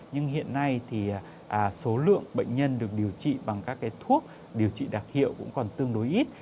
nhưng hiện nay thì số lượng bệnh nhân được điều trị bằng các thuốc điều trị đặc hiệu cũng còn tương đối ít